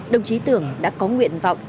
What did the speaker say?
đồng chí tưởng đã có nguyện vọng